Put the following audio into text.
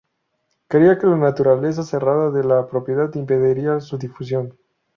Creía que la naturaleza cerrada de la propiedad impediría su difusión.